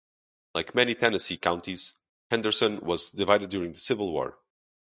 Like many Tennessee counties, Henderson was divided during the Civil War.